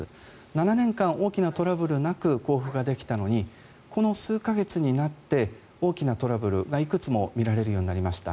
７年間、大きなトラブルなく交付ができたのにこの数か月になって大きなトラブルがいくつも見られるようになりました。